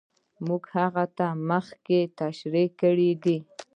موږ هغه مخکې تشرېح کړې دي.